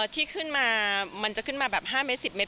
ที่ขึ้นมามันจะขึ้นมาแบบ๕เมตร๑๐เมต